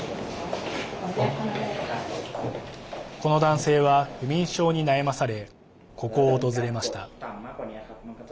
この男性は、不眠症に悩まされここを訪れました。